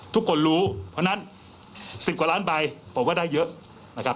ทุกคนรู้เพราะงั้น๑๐กว่าล้านใบบอกว่าได้เยอะ